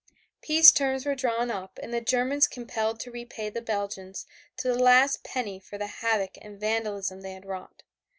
Peace terms were drawn up and the Germans compelled to repay the Belgians to the last penny for the havoc and vandalism they had wrought.